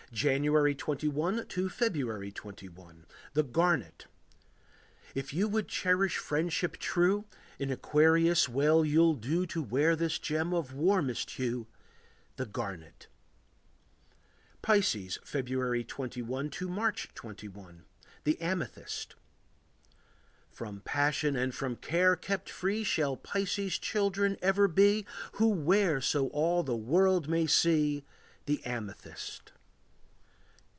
January 21 to February 21. The Garnet. If you would cherish friendship true, In Aquarius well you'll do To wear this gem of warmest hue— The garnet. Pisces. February 21 to March 21. The Amethyst. From passion and from care kept free Shall Pisces' children ever be Who wear so all the world may see The amethyst.